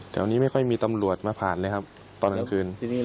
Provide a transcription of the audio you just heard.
นี้ไม่ค่อยมีตำรวจมาผ่านเลยครับตอนกลางคืน